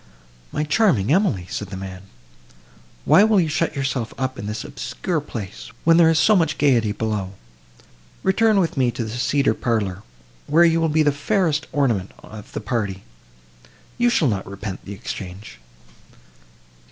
"My charming Emily," said the man, "why will you shut yourself up in this obscure place, when there is so much gaiety below? Return with me to the cedar parlour, where you will be the fairest ornament of the party;—you shall not repent the exchange."